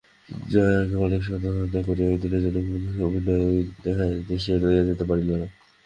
জয়াকে অনেক সাধ্যসাধনা করিয়াও একদিনের জন্য কুমুদের অভিনয় দেখাইতে সে লইয়া যাইতে পারিল না।